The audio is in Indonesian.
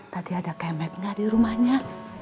tadi ada kemetnya di rumahnya